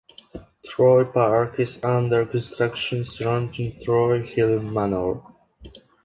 Troy Park is under construction surrounding Troy Hill Manor.